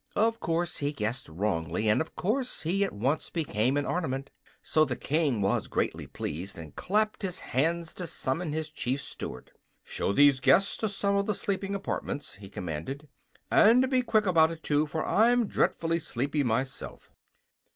Of course he guessed wrongly, and of course he at once became an ornament. So the King was greatly pleased, and clapped his hands to summon his Chief Steward. "Show these guests to some of the sleeping apartments," he commanded, "and be quick about it, too, for I'm dreadfully sleepy myself."